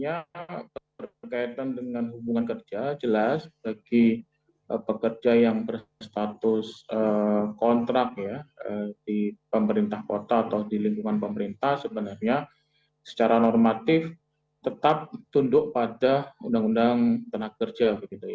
yang berstatus kontrak ya di pemerintah kota atau di lingkungan pemerintah sebenarnya secara normatif tetap tunduk pada undang undang ketenaga kerja